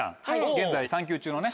現在産休中のね。